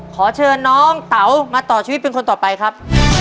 ขอเชิญน้องเต๋ามาต่อชีวิตเป็นคนต่อไปครับ